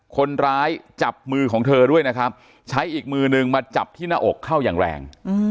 คนร้ายจับมือของเธอด้วยนะครับใช้อีกมือนึงมาจับที่หน้าอกเข้าอย่างแรง